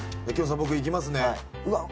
僕いきますね